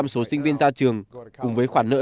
số sinh viên ra trường cùng với khoản nợ